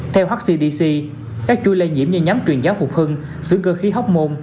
theo hcdc các chui lây nhiễm như nhóm truyền giáo phục hưng sửa cơ khí hốc môn